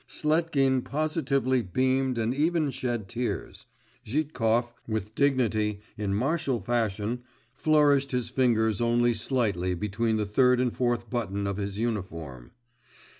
Sletkin positively beamed and even shed tears. Zhitkov, with dignity, in martial fashion, flourished his fingers only slightly between the third and fourth button of his uniform.